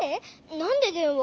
なんででんわ？